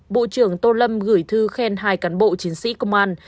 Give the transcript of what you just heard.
bộ trưởng tô lâm gửi thư khen hai cán bộ chiến sĩ công an